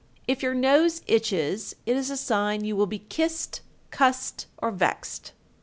If your nose itches, it is a sign you will be kissed, cussed, or vexed.